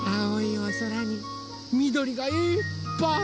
おそらにみどりがいっぱい！